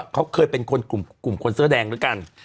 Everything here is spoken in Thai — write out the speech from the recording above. เขาเคยเป็นคนกลุ่มคนเสื้อแดงด้วยกัน